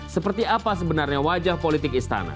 seperti apa sebenarnya wajah politik istana